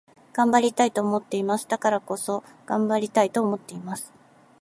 頑張りたいと思っています。だからこそ、頑張りたいと思っています。